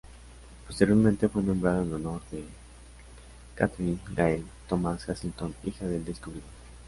Posteriormente fue nombrado en honor de Kathryn Gail Thomas-Hazelton, hija del descubridor.